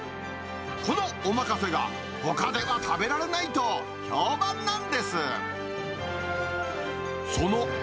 このおまかせが、ほかでは食べられないと評判なんです。